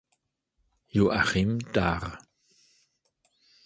Joachim dar.